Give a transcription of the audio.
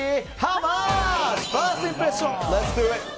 ファーストインプレッション。